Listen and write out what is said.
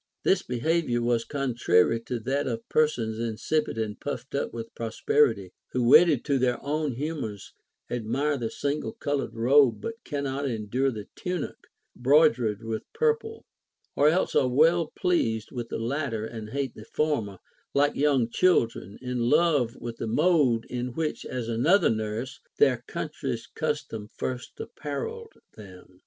This behavior was contrary to that of persons insipid and puffed up Avith prosperity, who wedded to their own humors admire the single colored robe but cannot en dure the tunic bordered with purple, or else are well pleased Avith the latter and hate the former, like young children, in love Λvith the mode in which, as another nurse, their coun try's custom first a])parelled them.